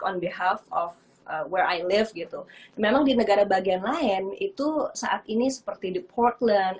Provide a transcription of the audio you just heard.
on behalf of where i live gitu memang di negara bagian lain itu saat ini seperti di portland